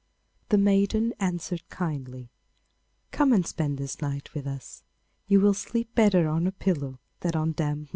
The maiden answered kindly, 'Come and spend this night with us. You will sleep better on a pillow than on damp moss.